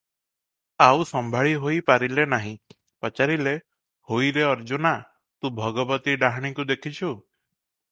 ଆଉ ସମ୍ଭାଳି ହୋଇ ପାରିଲେ ନାହିଁ, ପଚାରିଲେ, "ହୋଇରେ ଅର୍ଜୁନା, ତୁ ଭଗବତୀ ଡାହାଣୀକୁ ଦେଖିଛୁ?"